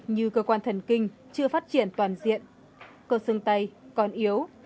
như cơ quan thần kinh chưa phát triển toàn diện cơ sưng tay còn yếu